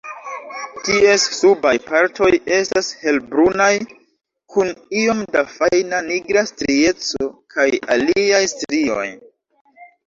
Ties subaj partoj estas helbrunaj kun iom da fajna nigra strieco kaj aliaj strioj.